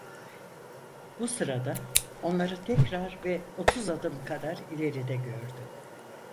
Bu sırada, onları tekrar ve otuz adım kadar ileride gördü.